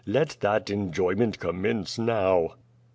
Let that enjoyment commence now."